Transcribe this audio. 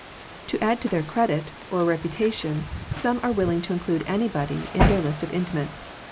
To add to their credit, or reputation, some are willing to include anybody in their list of intimates.